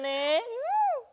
うん！